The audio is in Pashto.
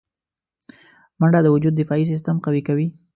منډه د وجود دفاعي سیستم قوي کوي